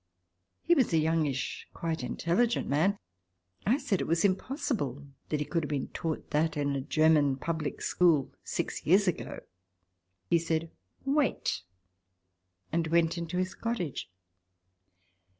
He was a youngish, quite intelligent man. I said it was impossible that he could have been taught that in a German public school six years ago. He said, " Wait !" and went into his cottage.